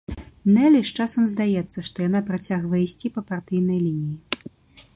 Нэлі ж часам здаецца, што яна працягвае ісці па партыйнай лініі.